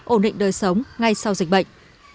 ổn định đời sống ngay sau dịch bệnh